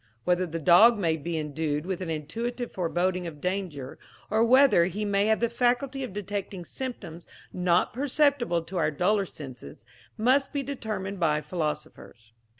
Whether the dog may be endued with an intuitive foreboding of danger, or whether he may have the faculty of detecting symptoms not perceptible to our duller senses, must be determined by philosophers."